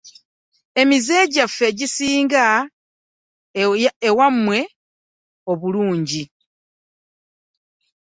Emmeza yaffe esinga eyamwe obulungi.